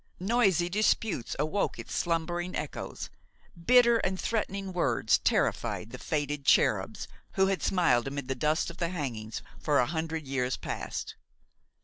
Noisy disputes awoke its slumbering echoes; bitter and threatening words terrified the faded cherubs who had smiled amid the dust of the hangings for a hundred years past.